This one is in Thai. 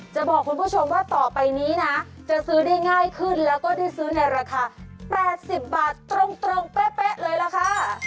จะบอกคุณผู้ชมว่าต่อไปนี้นะจะซื้อได้ง่ายขึ้นแล้วก็ได้ซื้อในราคา๘๐บาทตรงเป๊ะเลยล่ะค่ะ